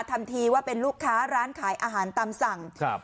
ทำทีว่าเป็นลูกค้าร้านขายอาหารตามสั่งครับ